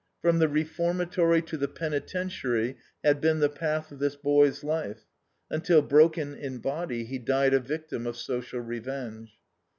From the reformatory to the penitentiary had been the path of this boy's life, until, broken in body, he died a victim of social revenge.